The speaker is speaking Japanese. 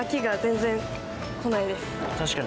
確かに。